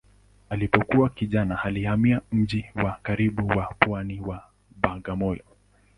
Alipokuwa kijana alihamia mji wa karibu wa pwani wa Bagamoyo.